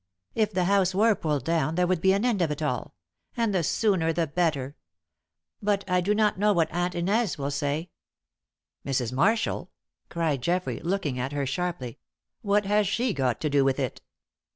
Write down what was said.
If the house were pulled down, there would be an end of it all and the sooner the better. But I do not know what Aunt Inez will say!" "Mrs. Marshall?" cried Geoffrey, looking at her sharply. "What has she got to do with it?"